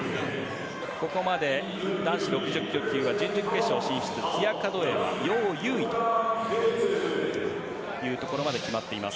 ここまで男子６０ｋｇ級は準々決勝進出はヨウ・ユウイというところまで決まっています。